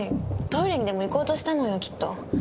トイレにでも行こうとしたのよきっと。